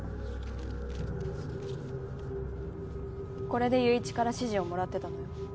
これで友一から指示をもらってたのよ。